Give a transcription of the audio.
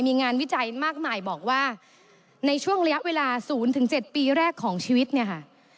มีงานวิจัยมากมายบอกว่าในช่วงระยะเวลา๐๗ปีแรกของชีวิตเนี่ยค่ะ